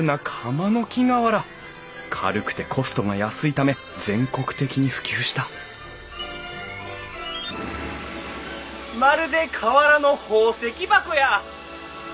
軽くてコストが安いため全国的に普及したまるで瓦の宝石箱やあ！